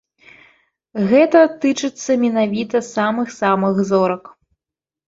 Гэта тычыцца менавіта самых-самых зорак.